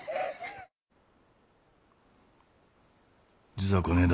実はこねえだ